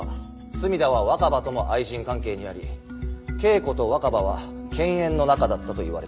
墨田は若葉とも愛人関係にあり桂子と若葉は犬猿の仲だったといわれています。